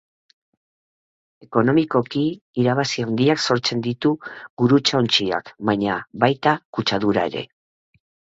Ekonomikoki irabazi handiak sortzen ditu gurutzaontziak, baina baita kutsadura ere.